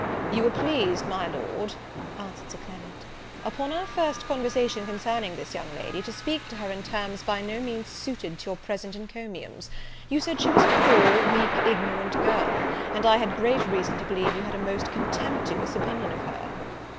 "You were pleased, my Lord," answered Sir Clement, "upon our first conversation concerning this young lady, to speak to her in terms by no means suited to your present encomiums; you said she was a poor, weak, ignorant girl, and I had great reason to believe you had a most contemptuous opinion of her."